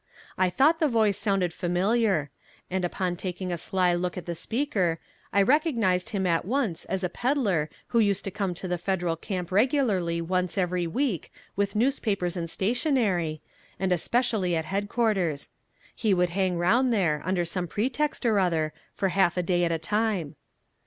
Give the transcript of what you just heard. I thought the voice sounded familiar, and upon taking a sly look at the speaker I recognized him at once as a peddler who used to come to the Federal camp regularly once every week with newspapers and stationery, and especially at headquarters. He would hang round there, under some pretext or other, for half a day at a time.